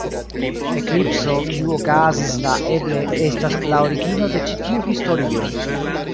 Eklipso kiu okazis la eble estas la origino de ĉi tiu historio.